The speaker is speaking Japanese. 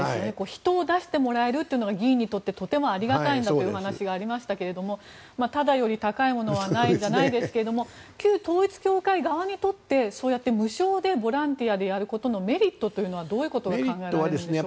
人を出してもらえるというのが議員にとってとてもありがたいんだという話がありましたがタダより高いものではないですけれども旧統一教会側にとって無償でボランティアでやることのメリットはどういうことが考えられるんでしょうか。